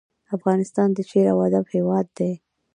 افغانستان د شعر او ادب هیواد دی